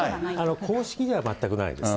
公式では全くないですね。